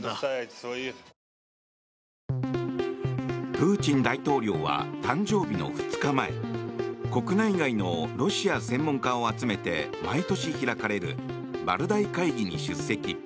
プーチン大統領は誕生日の２日前国内外のロシア専門家を集めて毎年開かれるバルダイ会議に出席。